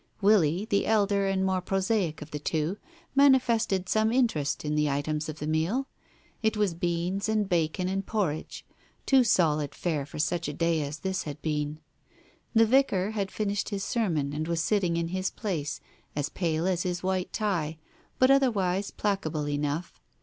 Willie, the elder and more prosaic of the two, manifested some interest in the items of the meal. It was beans and bacon and porridge, too solid fare for such a day as this had been. The Vicar had finished his sermon, and was sitting in his place, as pale as his white tie, but otherwise placable enough.